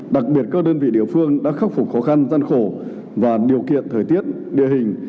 đặc biệt các đơn vị địa phương đã khắc phục khó khăn gian khổ và điều kiện thời tiết địa hình